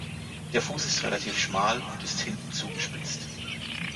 Der Fuß ist relativ schmal und ist hinten zugespitzt.